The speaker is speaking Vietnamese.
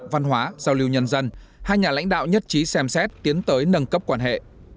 văn hóa giao lưu nhân dân hai nhà lãnh đạo nhất trí xem xét tiến tới nâng cấp quan hệ